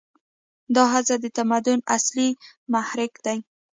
دا هڅه د تمدن اصلي محرک دی.